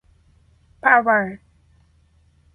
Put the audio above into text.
Power.